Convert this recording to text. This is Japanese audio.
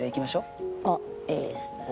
おっいいですね。